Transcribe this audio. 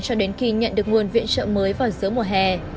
cho đến khi nhận được nguồn viện trợ mới vào giữa mùa hè